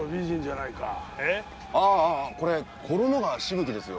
ああこれ衣川しぶきですよ。